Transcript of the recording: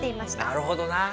なるほどな。